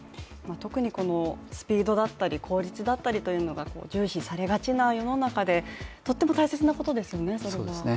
特にスピードだったり効率だったりが重視されがちな世の中でとっても大切なことですよね。